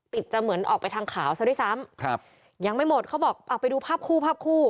จะเหมือนออกไปทางขาวซะด้วยซ้ำครับยังไม่หมดเขาบอกเอาไปดูภาพคู่ภาพคู่